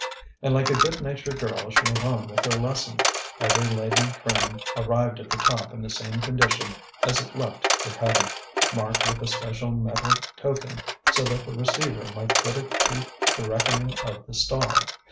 And like a good natured girl she went on with her lesson. Every laden tram arrived at the top in the same condition as it left the cutting, marked with a special metal token so that the receiver might put it to the reckoning of the stall.